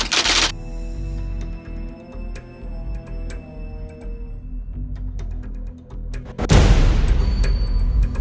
ลงไปดึง